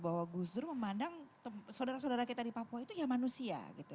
bahwa gus dur memandang saudara saudara kita di papua itu ya manusia gitu